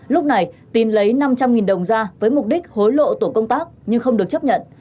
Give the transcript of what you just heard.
lúc này tín lấy năm trăm linh đồng ra với mục đích hối lộ tổ công tác nhưng không được chấp nhận